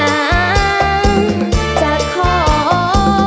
แม่หรือพี่จ๋าบอกว่าจะมาขอมัน